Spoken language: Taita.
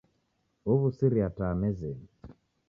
Ow'usiria taa mezenyi.